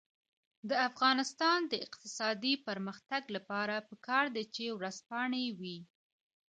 د افغانستان د اقتصادي پرمختګ لپاره پکار ده چې ورځپاڼې وي.